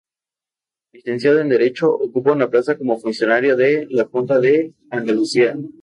Licenciado en Derecho, ocupa una plaza como funcionario de la Junta de Andalucía.